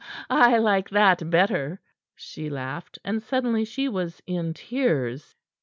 "I like that better," she laughed, and suddenly she was in tears.